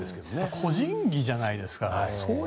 個人競技じゃないですか。